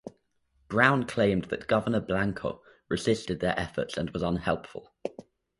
Brown claimed that Governor Blanco resisted their efforts and was unhelpful.